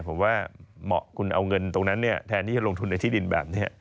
ผมว่าเหมาะคุณเอาเงินตรงนั้นแทนที่จะลงทุนในที่ดินแบบนี้